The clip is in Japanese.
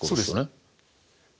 そうです。